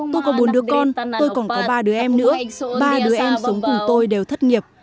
tôi có bốn đứa con tôi còn có ba đứa em nữa ba đứa em sống cùng tôi đều thất nghiệp